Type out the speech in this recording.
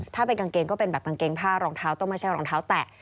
ถ้าเป็นกางเกงก็เป็นแบบกางเกงผ้ารองเท้าต้องไม่ใช่รองเท้าแตะ